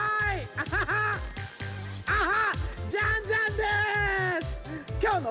アハハハ！